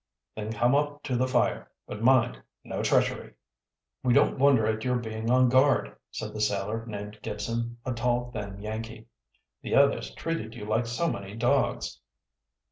"Then come up to the fire. But mind, no treachery." "We don't wonder at your being on guard," said the sailor named Gibson, a tall, thin Yankee. "The others treated you like so many dogs."